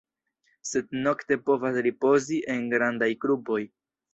Sed nokte povas ripozi en grandaj grupoj.